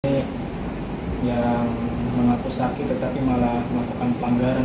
ada yang mengaku sakit tetapi malah melakukan pelanggaran